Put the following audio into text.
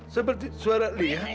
seperti suara li ya